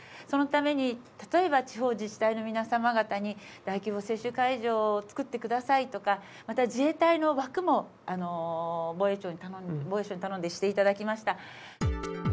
そのために、例えば地方自治体の皆様方に大規模接種会場を作ってくださいとか、また自衛隊の枠も防衛省に頼んでしていただきました。